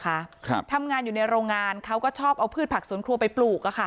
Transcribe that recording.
ครับทำงานอยู่ในโรงงานเขาก็ชอบเอาพืชผักสวนครัวไปปลูกอ่ะค่ะ